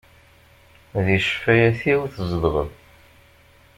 Di ccfayat-iw tzedɣeḍ.